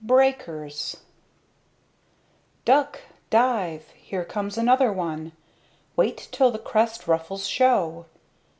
BREAKERS Duck! Dive! Here comes another one! Wait till the crest ruffles show!